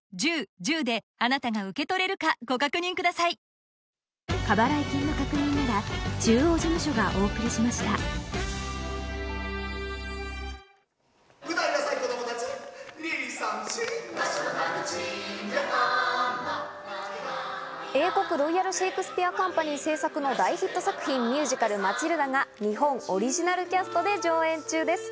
昨日に比べますと６度８度低く英国ロイヤル・シェイクスピア・カンパニー製作の大ヒット作品、ミュージカル『マチルダ』が日本オリジナルキャストで上演中です。